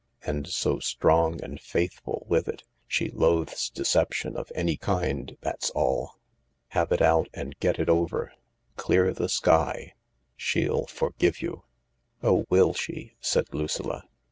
And so strong and faithful with it. She loathes deception of any kind, that's all. Have it out and get it over. Clear the sky. She'll forgive you." THE LARK 271 " Oh, will she ?" said Lucilla.